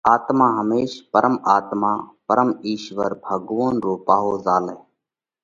آتما ھيمش پرم آتما (پرم اِيشوَر، ڀڳوونَ) رو پاھو زھالئھ